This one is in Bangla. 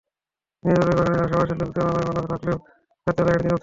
দিনের বেলায় বাগানের আশপাশে লোকজনের আনাগোনা থাকলেও রাতে এলাকাটি নীরব থাকে।